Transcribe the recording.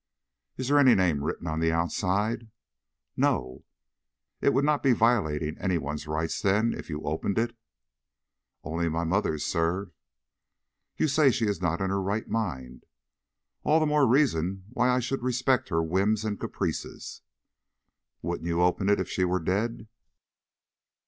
"Is there any name written on the outside?" "No." "It would not be violating any one's rights, then, if you opened it." "Only my mother's, sir." "You say she is not in her right mind?" "All the more reason why I should respect her whims and caprices." "Wouldn't you open it if she were dead?"